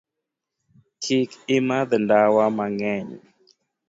Kik imadh ndawa mang'eny.